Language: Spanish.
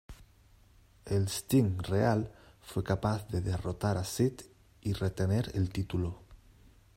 El Sting real fue capaz de derrotar a Sid y retener el título.